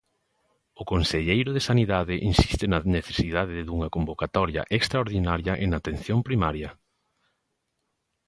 O conselleiro de Sanidade insiste na necesidade dunha convocatoria extraordinaria en atención primaria.